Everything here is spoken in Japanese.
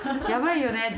「やばいよね」